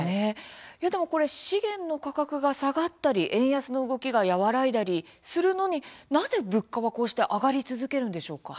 資源の価格が下がったり円安の動きが和らいだりするのになぜ物価は、こうして上がり続けるんでしょうか。